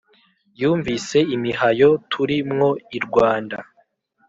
Yumvise imihayo turi mwo i Rwanda,